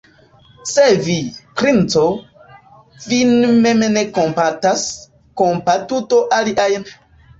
Se vi, princo, vin mem ne kompatas, kompatu do aliajn!